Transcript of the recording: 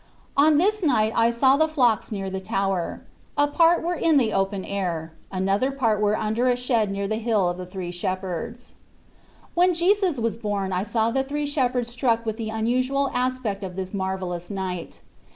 On this night I saw the flocks near the tower ; a part were in the open air, another part were under a shed near the hill of the three shepherds. When Jesus was born I saw the three shepherds struck with the unusual aspect of this marvellous night.